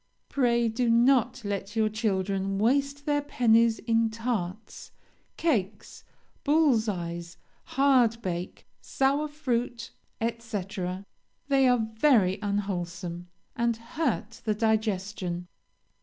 Pray do not let your children waste their pennies in tarts, cakes, bull's eyes, hardbake, sour fruit, &c., they are very unwholesome, and hurt the digestion.